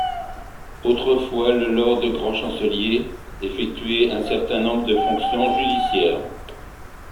Autrefois, le lord grand chancelier effectuait un certain nombre de fonctions judiciaires.